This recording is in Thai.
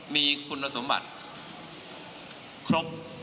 มีคุณสมบัติครบ